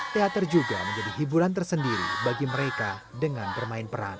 teater juga menjadi hiburan tersendiri bagi mereka dengan bermain peran